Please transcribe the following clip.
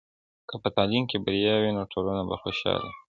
که په تعلیم کې بریا وي، نو ټولنه به خوشحاله وي.